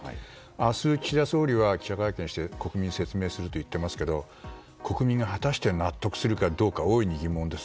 明日、岸田総理は記者会見をして国民に説明するといっていますが国民が果たして納得するかどうか大いに疑問です。